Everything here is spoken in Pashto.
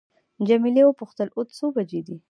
جميله وپوښتل اوس څو بجې دي.